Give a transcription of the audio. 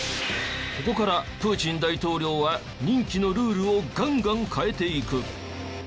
ここからプーチン大統領は任期のルールをガンガン変えていく。